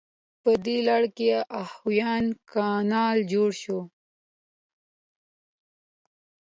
په دې لړ کې اوهایو کانال جوړ شو.